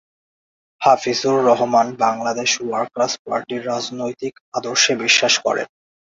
Hafizur Rahman Bangladesh workers পার্টির রাজনৈতিক আদর্শে বিশ্বাস করেন।